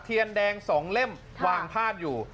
เทียนแดง๒เล่มวางพาดอยู่